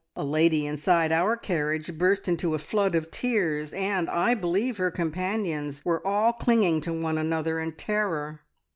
A lady inside our carriage burst into a flood of tears, and I believe her companions were all clinging to one another in terror.